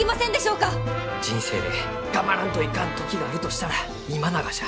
人生で頑張らんといかん時があるとしたら今ながじゃ。